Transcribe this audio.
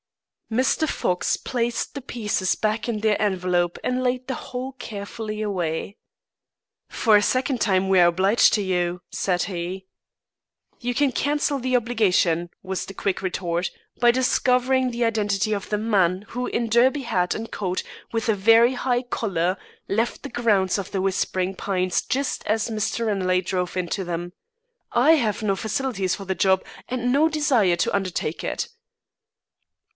Mr. Fox placed the pieces back in their envelope and laid the whole carefully away. "For a second time we are obliged to you," said he. "You can cancel the obligation," was the quick retort, "by discovering the identity of the man who in derby hat and a coat with a very high collar, left the grounds of The Whispering Pines just as Mr. Ranelagh drove into them. I have no facilities for the job, and no desire to undertake it."